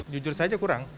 jujur saja kurang